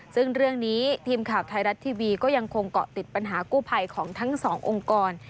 ซึ่งเรื่องนี้ทีมข่าวไทยรัฐทีวีก็ยังคงเกาะติดปัญหากู้ภัยของทั้งสององค์กร